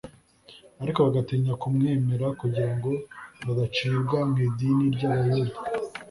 ariko bagatinya kumwemera kugira ngo badacibwa mu idini ry’abayuda